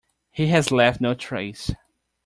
He has left no trace.